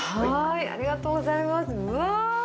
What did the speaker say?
ありがとうございます。